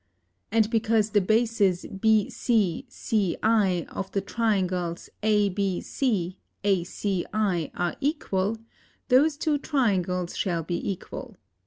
And because the bases BC CI of the triangles ABC, ACI are equal those two triangles shall be equal.